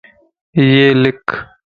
ھيَ لک